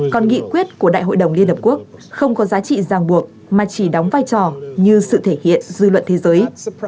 còn nghị quyết của đại hội đồng liên hợp quốc không có giá trị giang buộc mà chỉ đóng vai trò như sự thể hiện dư luận thế giới